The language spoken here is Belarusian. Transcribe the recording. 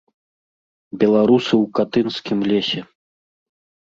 Беларусы ў катынскім лесе.